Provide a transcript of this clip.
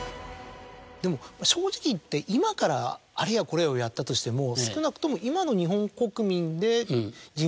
でも正直言って今からあれやこれやをやったとしても少なくとも今の。